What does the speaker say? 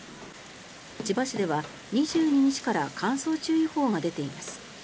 千葉市では２２日から乾燥注意報が出ています。